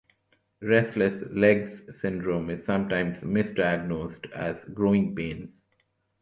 Restless legs syndrome is sometimes misdiagnosed as growing pains.